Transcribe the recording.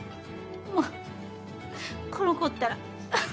もうこの子ったら！